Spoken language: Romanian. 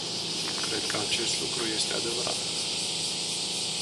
Cred că acest lucru este adevărat.